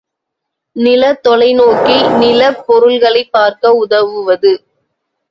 நிலத் தொலைநோக்கி நிலப் பொருள்களைப் பார்க்க உதவுவது.